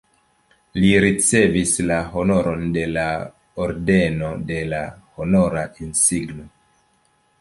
Li ricevis la honoron de la Ordeno de la Honora Insigno.